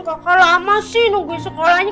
kakak lama sih nungguin sekolahnya